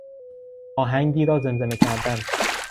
آهنگی را زمزمه کردن